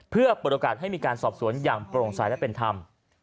เพื่อเปิดโอกาสให้มีการสอบสวนอย่างโปร่งสายและเป็นธรรม